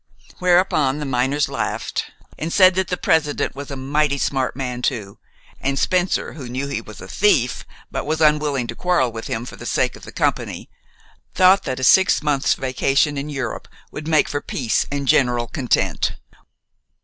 Whereupon the miners laughed, and said that the president was a mighty smart man too, and Spencer, who knew he was a thief, but was unwilling to quarrel with him for the sake of the company, thought that a six months' vacation in Europe would make for peace and general content.